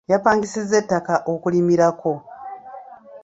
Yapangisizza ettaka okulimirako.